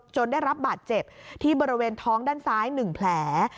ได้รับบาดเจ็บที่บริเวณท้องด้านซ้าย๑แผล